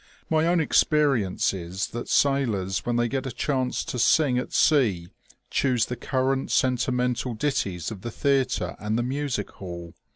My own experi ence is that sailors when they get a chance to sing at sea choose the current sentimental ditties of the theatre and the music hall.